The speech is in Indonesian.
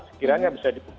sekiranya bisa diperbukti